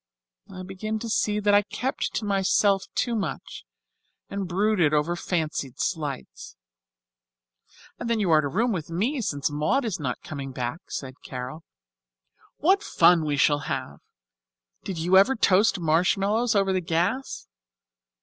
I begin to see that I kept to myself too much and brooded over fancied slights." "And then you are to room with me since Maud is not coming back," said Carol. "What fun we shall have. Did you ever toast marshmallows over the gas?